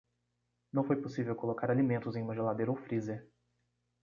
Não foi possível colocar alimentos em uma geladeira ou freezer.